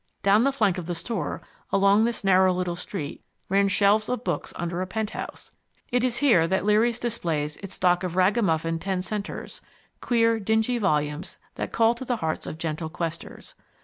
Down the flank of the store, along this narrow little street, run shelves of books under a penthouse. It is here that Leary's displays its stock of ragamuffin ten centers queer dingy volumes that call to the hearts of gentle questers.